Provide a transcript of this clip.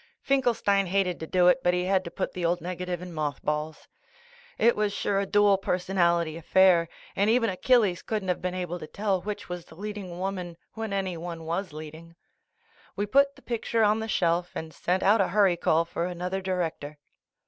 Finkelstein hated to do it, but he had to put the old negative in moth balls. It was sure a dual personality affair and even Achilles wouldn't have been able to tell which was the leading woman when any one was leading. We put the picture on the shelf and sent out a hurry call for another director.